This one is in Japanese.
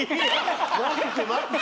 待って待って。